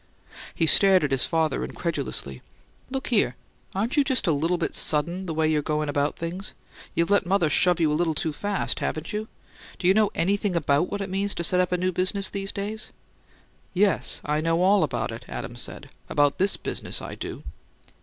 He stared at his father incredulously. "Look here; aren't you just a little bit sudden, the way you're goin' about things? You've let mother shove you a little too fast, haven't you? Do you know anything about what it means to set up a new business these days?" "Yes, I know all about it," Adams said. "About this business, I do."